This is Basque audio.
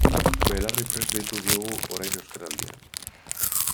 Belarriprest deitu diogu orain Euskaraldian.